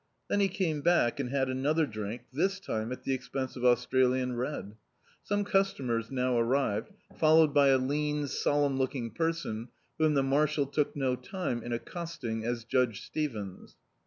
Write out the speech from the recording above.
Then he came back and had another drink, this time at the expense of Australian Red. Some customers now arrived, followed by a lean, solemn looking person, whom die marshal took no time in accosting as Judge Stevens.